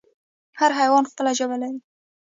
هر حیوان خپله ژبه لري